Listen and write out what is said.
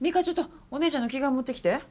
ちょっとお姉ちゃんの着替え持ってきて。